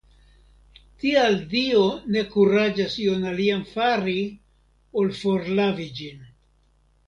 Tial Dio ne kuraĝas ion alian fari, ol forlavi ĝin!